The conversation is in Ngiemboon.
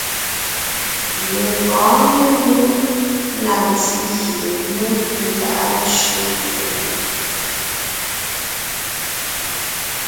Lepɔ̌ɔn membím na ntí gie mé ge lá’a tsẅé zẅɛʼɛ;